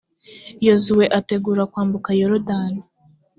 yozuwe ategura kwambuka yorudani